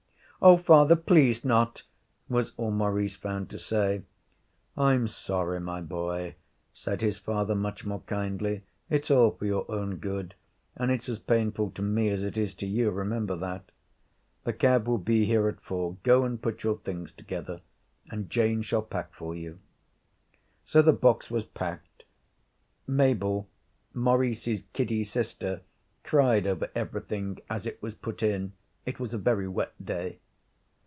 'Oh, father, please not,' was all Maurice found to say. 'I'm sorry, my boy,' said his father, much more kindly; 'it's all for your own good, and it's as painful to me as it is to you remember that. The cab will be here at four. Go and put your things together, and Jane shall pack for you.' So the box was packed. Mabel, Maurice's kiddy sister, cried over everything as it was put in. It was a very wet day.